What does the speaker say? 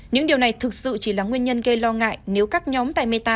những điều này thực sự chỉ là nguyên nhân gây lo ngại nếu các nhóm tại meta